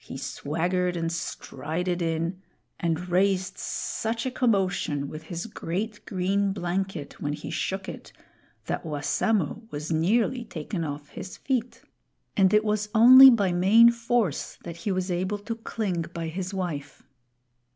He swaggered and strided in, and raised such a commotion with his great green blanket when he shook it, that Wassamo was nearly taken off his feet; and it was only by main force that he was able to cling by his wife.